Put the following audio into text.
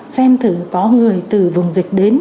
xem thử có người từ vùng dịch đến